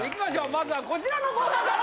まずはこちらのコーナーから！